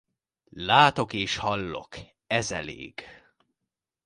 Látok és hallok, ez elég!